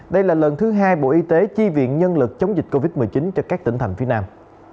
đây là lần thứ hai bộ y tế chi viện nhân lực chống dịch covid một mươi chín cho các tỉnh thành phía nam